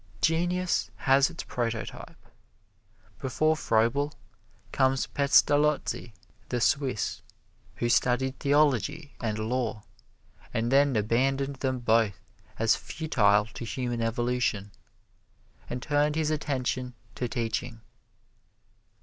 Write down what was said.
Genius has its prototype. Before Froebel comes Pestalozzi, the Swiss, who studied theology and law, and then abandoned them both as futile to human evolution, and turned his attention to teaching.